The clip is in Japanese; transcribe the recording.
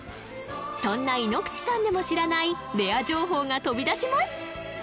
そんな井口さんでも知らないレア情報が飛び出します！